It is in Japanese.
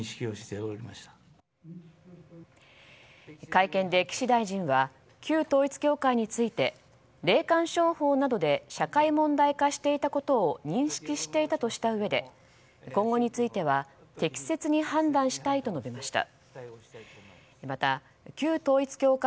会見で岸大臣は旧統一教会について霊感商法などで社会問題化していたことを認識していたとしたうえで今後については適切に判断したいと述べました。